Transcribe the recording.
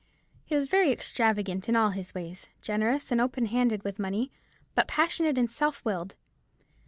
He was very extravagant in all his ways; generous and open handed with money; but passionate and self willed.